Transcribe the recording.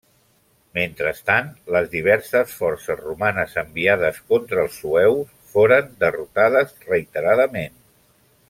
Mentrestant, les diverses forces romanes enviades contra els sueus foren derrotades reiteradament.